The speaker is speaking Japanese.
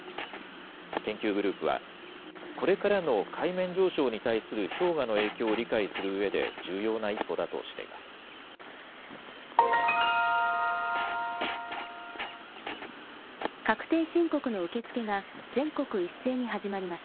研究グループは、これからの海面上昇に対する氷河の影響を理解するうえで、重要な一歩だとしています。